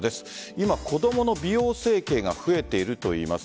今、子供の美容整形が増えているといいます。